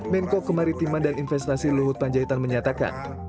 menko kemaritiman dan investasi luhut panjaitan menyatakan